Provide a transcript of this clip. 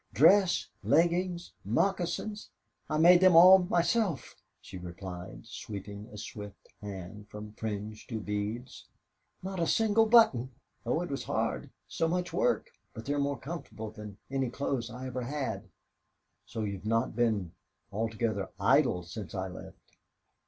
"Dress, leggings, moccasins, I made them all myself," she replied, sweeping a swift hand from fringe to beads. "Not a single button! Oh, it was hard so much work! But they're more comfortable than any clothes I ever had." "So you've not been altogether idle since I left?"